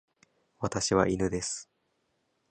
私は犬です。